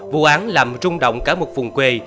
vụ án làm rung động cả một vùng quê